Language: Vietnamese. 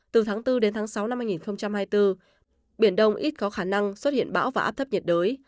từ tháng bốn đến tháng sáu năm hai nghìn hai mươi bốn biển đông ít có khả năng xuất hiện bão và áp thấp nhiệt đới